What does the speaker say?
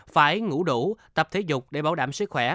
phải ngủ đủ tập thể dục để bảo đảm sức khỏe